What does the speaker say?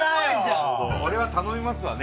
これは頼みますわね。